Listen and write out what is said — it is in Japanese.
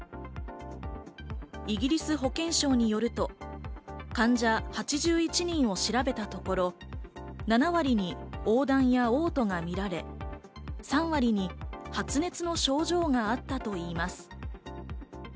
イギリス保健省によると、患者８１人を調べたところ、７割に黄疸や嘔吐がみられ、３割に発熱の症状があったといいます。